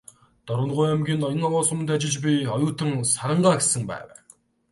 "Дорноговь аймгийн Ноён-Овоо суманд ажиллаж буй оюутан Сарангаа"с гэсэн байв.